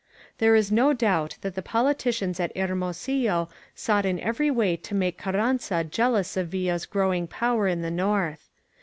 There is no doubt that the politicians at Hermosillo sought in every way to make Carranza jealous of Villa's growing power in the north.